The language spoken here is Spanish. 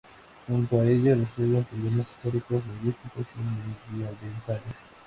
Junto a ella resuelven problemas históricos, lingüísticos y medioambientales.